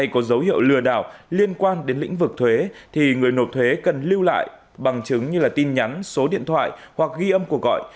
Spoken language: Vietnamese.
có dấu hiệu lừa đảo liên quan đến lĩnh vực thuế thì người nộp thuế cần lưu lại bằng chứng như tin nhắn số điện thoại hoặc ghi âm cuộc gọi